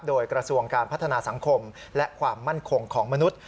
โดยกระทรวงการพัฒนาสังคมและความมั่นคงของมนุษย